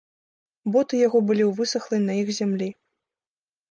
Боты яго былі ў высахлай на іх зямлі.